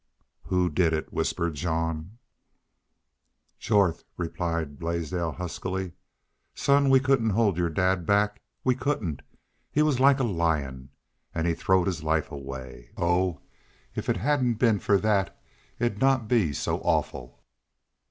"Who did it?" whispered Jean. "Jorth!" replied Blaisdell, huskily. "Son, we couldn't hold your dad back.... We couldn't. He was like a lion.... An' he throwed his life away! Oh, if it hadn't been for that it 'd not be so awful.